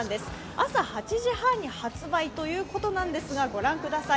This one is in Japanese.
朝８時半に発売なんですが、御覧ください